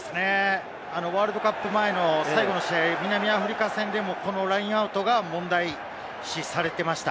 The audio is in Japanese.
ワールドカップ前の最後の試合、南アフリカ戦でもこのラインアウトが問題視されていました。